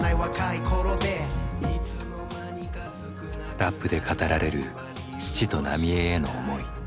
ラップで語られる父と浪江への思い。